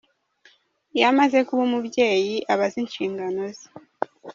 Iyo amaze kuba umubyeyi, aba azi inshingano ze.